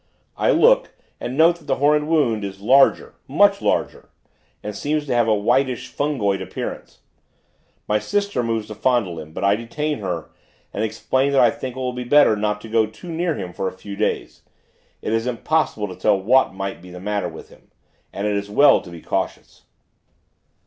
I look and note that the horrid wound is larger, much larger, and seems to have a whitish, fungoid appearance. My sister moves to fondle him; but I detain her, and explain that I think it will be better not to go too near him for a few days; as it is impossible to tell what may be the matter with him; and it is well to be cautious.